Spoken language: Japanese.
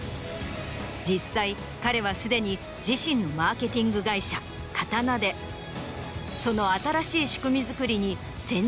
実際彼はすでに自身のマーケティング会社刀でその新しい。